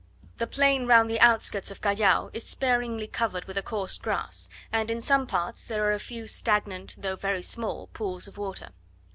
The plain round the outskirts of Callao is sparingly covered with a coarse grass, and in some parts there are a few stagnant, though very small, pools of water.